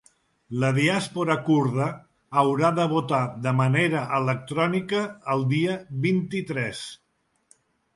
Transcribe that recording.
La diàspora kurda haurà de votar de manera electrònica el dia vint-i-tres.